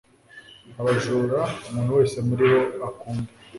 abajura, umuntu wese muri bo akunda